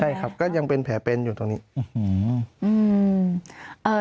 ใช่ครับก็ยังเป็นแผลเป็นอยู่ตรงนี้